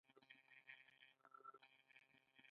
هغه باکتریاوې چې په دوو قطبونو کې فلاجیلونه ولري.